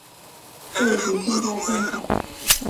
做得比现在更好